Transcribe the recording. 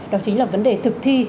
đó chính là vấn đề thực thi